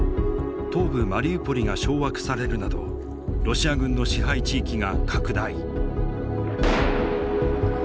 東部マリウポリが掌握されるなどロシア軍の支配地域が拡大。